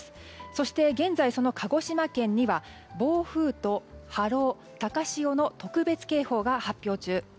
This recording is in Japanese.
そして現在、鹿児島県には暴風と波浪、高潮の特別警報が発表中。